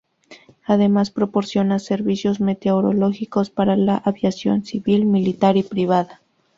Además, proporciona servicios meteorológicos para la aviación civil, militar y privada.